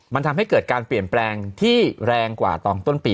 มันทำให้เกิดการเปลี่ยนแปลงที่แรงกว่าตอนต้นปี